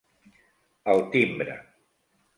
El timbre.